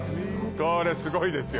これすごいですよ